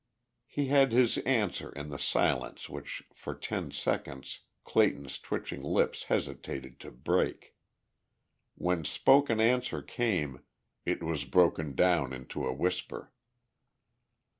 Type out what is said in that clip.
He had his answer in the silence which for ten seconds Clayton's twitching lips hesitated to break. When spoken answer came it was broken down into a whisper.